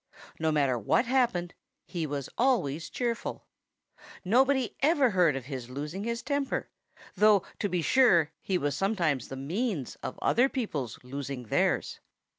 No matter what happened, he was always cheerful. Nobody ever heard of his losing his temper, though to be sure he was sometimes the means of other peoples losing theirs.